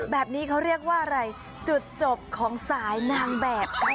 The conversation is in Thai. แบบนี้เขาเรียกว่าอะไรจุดจบของสายนางแบบ